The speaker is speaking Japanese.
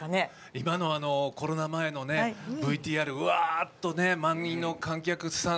今のコロナ前のＶＴＲうわーっとね、満員の観客さん